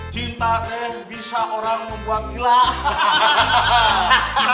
cinta n bisa orang membuat hilang